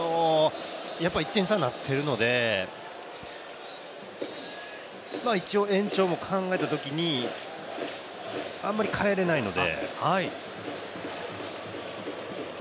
１点差になっているので、一応延長も考えたときにあんまり代えれないので。